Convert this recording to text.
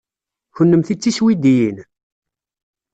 Kennemti d tiswidiyin?